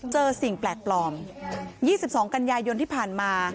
สิ่งแปลกปลอม๒๒กันยายนที่ผ่านมา